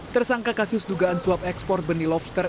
tersangka kasus dugaan suap ekspor benih lobster